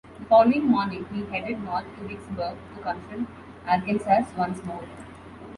The following morning, he headed north to Vicksburg to confront "Arkansas" once more.